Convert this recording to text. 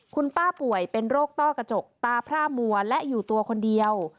คุณป้าป่วยเป็นโรคต้อกระจกตาพร่ามัวและอยู่ตัวคนเดียว